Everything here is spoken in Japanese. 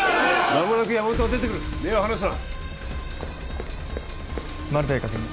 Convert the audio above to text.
まもなく山本が出てくる目を離すなマルタイ確認